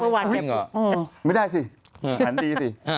ว่าวันเห็นเหรออืมไม่ได้สิหันดีสิ